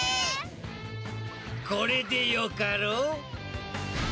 これでよかろう？